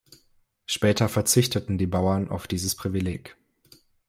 Später verzichteten die Bauern auf dieses Privileg.